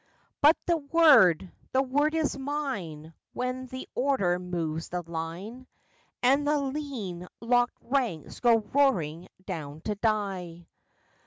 ] But the word the word is mine, when the order moves the line And the lean, locked ranks go roaring down to die.